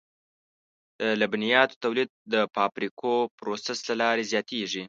د لبنیاتو تولید د فابریکوي پروسس له لارې زیاتېږي.